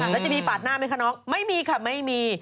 แล้วจะมีปาดหน้าไหมคะน้องไม่มีค่ะไม่มี